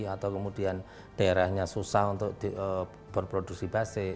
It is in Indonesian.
atau kemudian daerahnya susah untuk berproduksi base